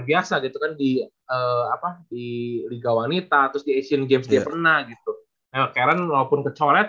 biasa gitu kan di apa di liga wanita terus di asian games dia pernah gitu karen walaupun kecoret